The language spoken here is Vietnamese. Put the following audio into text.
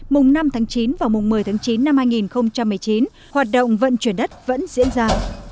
mùng năm tháng chín và mùng một mươi tháng chín năm hai nghìn một mươi chín hoạt động vận chuyển đất vẫn diễn ra